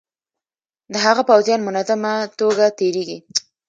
د هغه پوځیان منظمه توګه تیریږي.